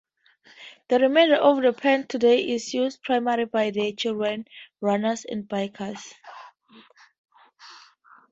The remainder of the path today is used primarily by children, runners and bikers.